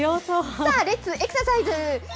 さあ、レッツ・エクササイズ。